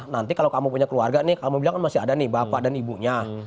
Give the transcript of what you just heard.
nanti kalau kamu punya keluarga nih kamu bilang kan masih ada nih bapak dan ibunya